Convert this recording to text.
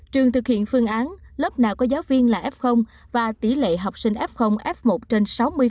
trường thực hiện phương án lớp nào có giáo viên là f và tỷ lệ học sinh f f một trên sáu mươi